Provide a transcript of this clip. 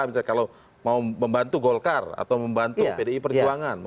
misalnya kalau mau membantu golkar atau membantu pdi perjuangan